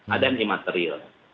ada yang imaterial